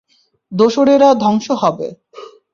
দোসরেরা ধ্বংস হবে।